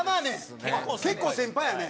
結構先輩やね！